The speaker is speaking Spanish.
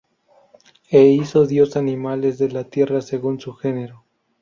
E hizo Dios animales de la tierra según su género.